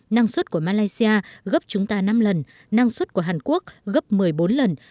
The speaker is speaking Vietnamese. năng suất của malaysia gấp chúng ta năm lần năng suất của hàn quốc gấp một mươi bốn lần